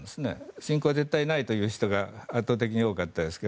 侵攻は絶対ないという人が圧倒的に多かったですが。